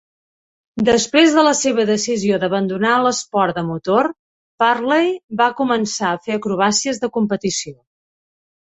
Després de la seva decisió d'abandonar l'esport de motor, Purley va començar a fer acrobàcies de competició.